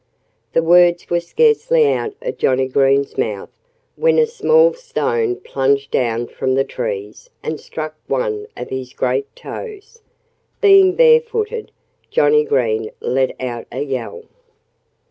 The words were scarcely out of Johnnie Green's mouth when a small stone plunged down from the trees and struck one of his great toes. Being barefooted, Johnnie Green let out a yell.